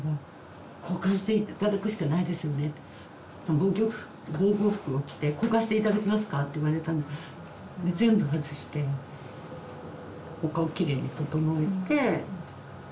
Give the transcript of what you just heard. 「防護服を着て交換して頂けますか」って言われたので全部外してお顔きれいに整えてで着せ替えて。